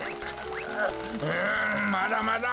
んまだまだ！